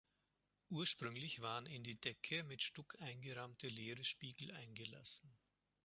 Ursprünglich waren in die Decke mit Stuck eingerahmte leere Spiegel eingelassen.